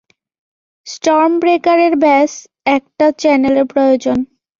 স্টর্মব্রেকারের ব্যাস একটা চ্যানেলের প্রয়োজন।